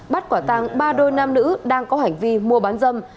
bắt quả tàng ba đôi nam nữ đang có hành vi mua bán dâm